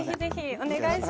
お願いします。